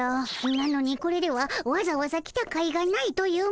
なのにこれではわざわざ来たかいがないというもの。